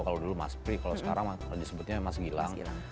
kalau dulu mas pri kalau sekarang disebutnya mas gilang